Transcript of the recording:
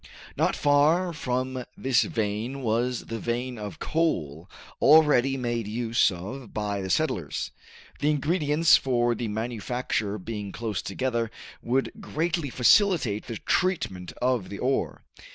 Not far from this vein was the vein of coal already made use of by the settlers. The ingredients for the manufacture being close together would greatly facilitate the treatment of the ore.